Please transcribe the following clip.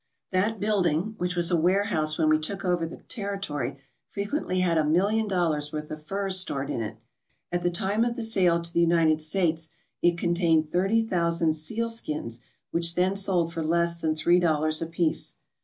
That building, which was a warehouse when we took over the territory, frequently had a million dollars' worth of furs stored in it. At the time of the sale to the United States it contained thirty thousand sealskins which then sold for less than three dollars apiece.